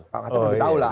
pak kacem lebih tahu lah